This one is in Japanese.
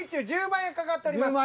１０万円懸かっております。